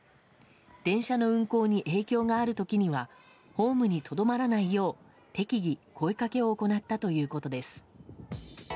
電車の運行に影響がある時にはホームにとどまらないよう適宜、声掛けを行ったということです。